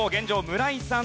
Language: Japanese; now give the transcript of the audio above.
村井さん